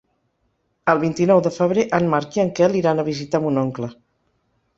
El vint-i-nou de febrer en Marc i en Quel iran a visitar mon oncle.